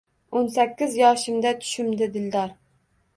O’n sakkiz yoshimda tushimda dildor